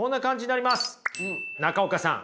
中岡さん。